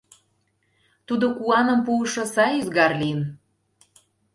Тудо куаным пуышо сай ӱзгар лийын.